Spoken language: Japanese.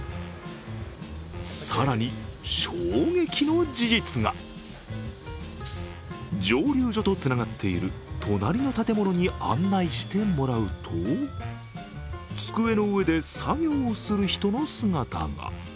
更に、衝撃の事実が蒸留所とつながっている隣の建物に案内してもらうと机の上で作業をする人の姿が。